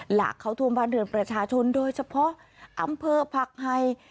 หลักเข้าท่วมบ้านเรือนประชาชนโดยเฉพาะอำเภอผักไฮ